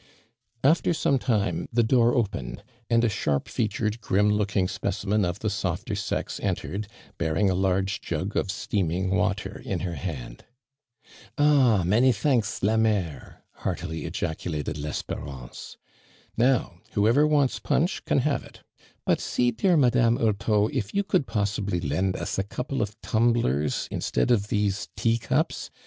After some tim ^ the door opened, and a sharp featured, grim looking specimen of the softer sex entered, bearuig a large jug of steaming water in her hand. " Ah ! many thanks, la mire" heartily ejac ulated Lesperance. "Now, whoever wants punch can have it ; but see, dear Madame Hurteau, if you could possibly lend us a couple of tumblers instead of these tea cups ?